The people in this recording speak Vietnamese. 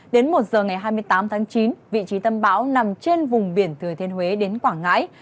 đến một giờ ngày hai mươi tám tháng chín vị trí tâm bão nằm trên vùng biển thừa thiên huế đến quảng ngãi